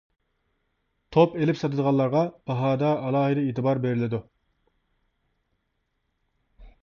توپ ئېلىپ ساتىدىغانلارغا باھادا ئالاھىدە ئېتىبار بېرىلىدۇ.